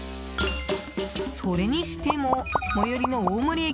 それにしても最寄りの大森駅